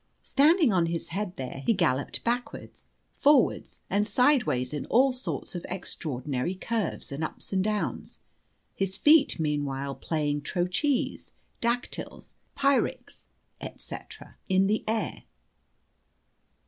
Standing on his head there, he galloped backwards, forwards, and sideways in all sorts of extraordinary curves and ups and downs, his feet meanwhile playing trochees, dactyls, pyrrhics, &c., in the air.